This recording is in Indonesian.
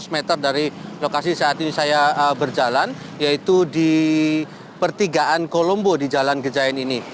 lima ratus meter dari lokasi saat ini saya berjalan yaitu di pertigaan kolombo di jalan gejayan ini